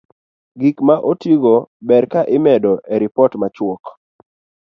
Gik ma otigo ber ka imedo e ripot machuok